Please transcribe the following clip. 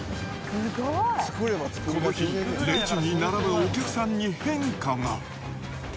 この日、レジに並ぶお客さんに変化が。